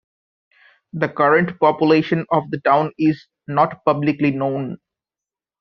The current population of the town in not publicly known.